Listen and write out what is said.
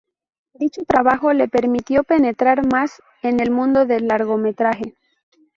Dicho trabajo le permitió penetrar más en el mundo del largometraje.